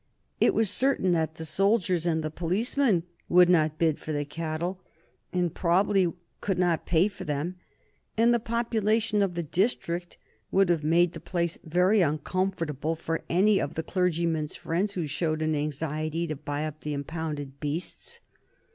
It was certain that the soldiers and the policemen would not bid for the cattle, and probably could not pay for them, and the population of the district would have made the place very uncomfortable for any of the clergymen's friends who showed an anxiety to buy up the impounded beasts.